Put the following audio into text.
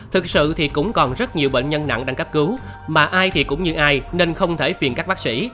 thực sự thì cũng còn rất nhiều bệnh nhân nặng đang cấp cứu mà ai thì cũng như ai nên không thể phiền các bác sĩ